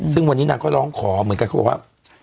ซึ่งวันนี้นางก็ร้องขอเหมือนกันเขาบอกว่า